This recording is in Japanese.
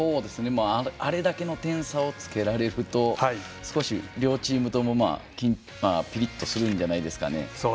あれだけの点差をつけられると少し、両チームともピリッとするんじゃないですかね。